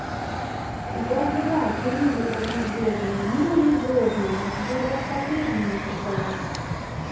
Два крыла, Крылья краснозвездные, Милые и грозные, Жду я вас по-прежнему, Как ждала.